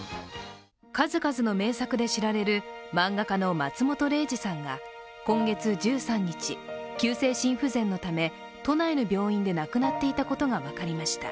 数々の名作で知られる漫画家の松本零士さんが今月１３日、急性心不全のため都内の病院で亡くなっていたことが分かりました。